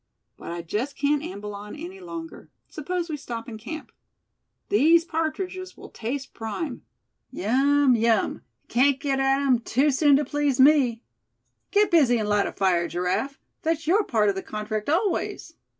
But I just can't amble on any longer. Suppose we stop and camp. These partridges will taste prime. Yum! yum, can't get at 'em too soon to please me. Get busy, and light a fire, Giraffe; that's your part of the contract always."